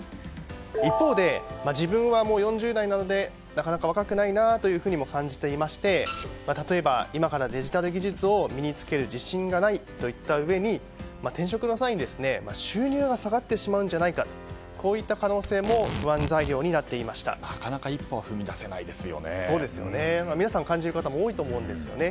一方で、自分はもう４０代なのでなかなか若くないなというふうにも感じていまして例えば、今からデジタル技術を身に着ける自信がないといったうえに転職の際に収入が下がってしまうんじゃないかとこういった可能性もなかなか皆さんお感じになる方も多いと思うんですよね。